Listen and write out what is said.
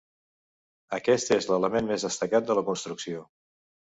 Aquest és l'element més destacat de la construcció.